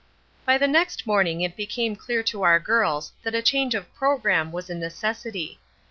By the next morning it became clear to our girls that a change of programme was a necessity.